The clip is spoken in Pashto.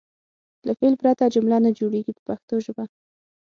له فعل پرته جمله نه جوړیږي په پښتو ژبه.